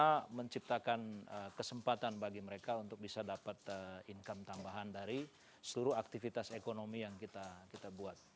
kita menciptakan kesempatan bagi mereka untuk bisa dapat income tambahan dari seluruh aktivitas ekonomi yang kita buat